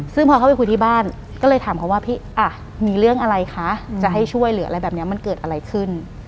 ซึ่งพอเข้าไปคุยที่บ้านก็เลยถามเขาว่าพี่อ่ะมีเรื่องอะไรคะจะให้ช่วยหรืออะไรแบบนี้มันเกิดอะไรขึ้น